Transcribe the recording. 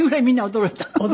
驚いたの。